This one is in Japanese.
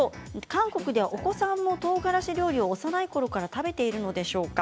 韓国ではお子さん、もとうがらし料理を幼いころから食べているのでしょうか。